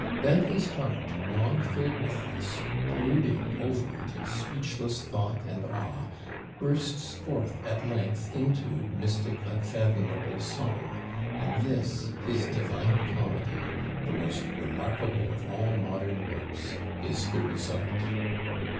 Dante's heart, long filled with this, brooding over it in speechless thought and awe, bursts forth at length into "mystic unfathomable song"; and this his 'Divine Comedy,' the most remarkable of all modern Books, is the result.